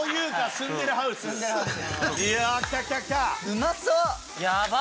うまそう！